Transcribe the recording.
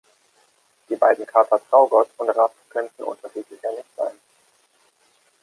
Die beiden Kater Traugott und Raff könnten unterschiedlicher nicht sein.